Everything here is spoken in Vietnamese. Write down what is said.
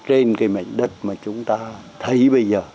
trên cái mảnh đất mà chúng ta thấy bây giờ